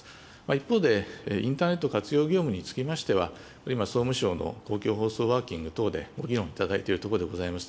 一方で、インターネット活用業務につきましては、今、総務省の公共放送ワーキング等でご議論いただいているところでございます。